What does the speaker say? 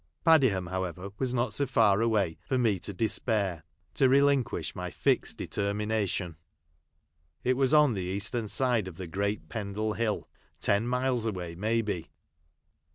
Padiham, how ever, was not so far away, for me to despair —to relinquish my fixed determination. It was on the eastern side of the great Pendle Hill ; ten miles away, may be.